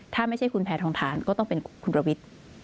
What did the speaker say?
ถ้าไม่ใช่คุณแพท้ทองทานก็ต้องเป็นกลุ่มธรวิต